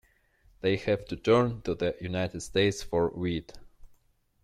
They have to turn to the United States for wheat.